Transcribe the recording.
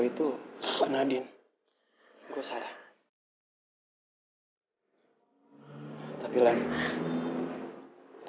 escal ini fir sales kaos udah kecil banget